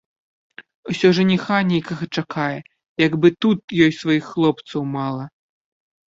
Усё жаніха нейкага чакае, як бы тут ёй сваіх хлопцаў мала.